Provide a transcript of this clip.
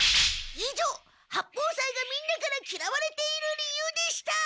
いじょう八方斎がみんなからきらわれている理由でした！